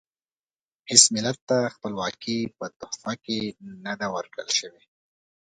هیڅ ملت ته خپلواکي په تحفه کې نه ده ورکړل شوې.